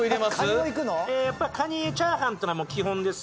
やっぱりカニチャーハンっていうのは基本ですよね。